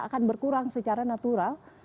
akan berkurang secara natural